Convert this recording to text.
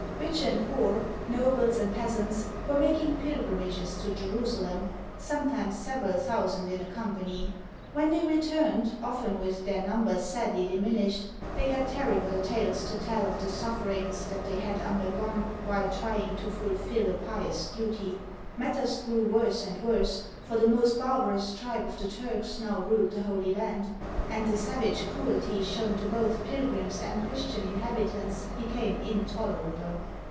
Rich and poor, nobles and peasants, were making pilgrimages to Jerusalem, sometimes several thousand in a company. When they returned, often with their numbers sadly diminished, they had terrible tales to tell of the sufifertngs that they had undergone while trying to fulfill a pious duty. Matters grew worse and worse, for the most barbarous tribe of the Turks now ruled the Holy Land, and the savage cruelty shown to both pilgrims and Chris tian inhabitants became intolerable.